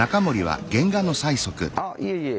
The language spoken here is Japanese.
あいえいえ